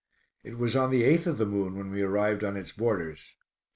It was on the eighth of the moon when we arrived on its borders.